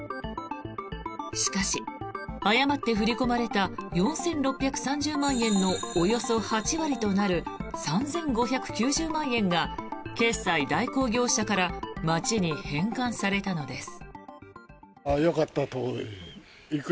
しかし、誤って振り込まれた４６３０万円のおよそ８割となる３５９０万円が決済代行業者から町に返還されたのです。